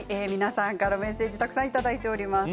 メッセージたくさんいただいています。